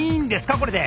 これで。